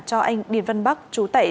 cho anh điên văn bắc chú tẩy